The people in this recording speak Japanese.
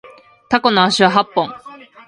タコの足は八本